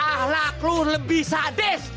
ahlak lu lebih sadis